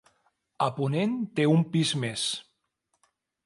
A ponent té un pis més.